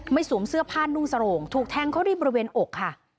สวมเสื้อผ้านุ่งสโรงถูกแทงเขาที่บริเวณอกค่ะ